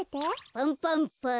パンパンパン。